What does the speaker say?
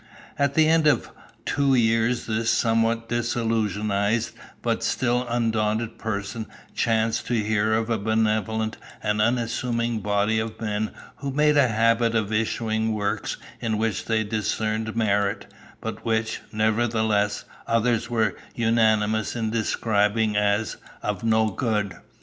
"At the end of two years this somewhat disillusionized but still undaunted person chanced to hear of a benevolent and unassuming body of men who made a habit of issuing works in which they discerned merit, but which, nevertheless, others were unanimous in describing as 'of no good.